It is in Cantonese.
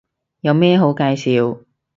有咩好介紹